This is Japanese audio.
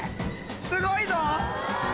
すごいぞ！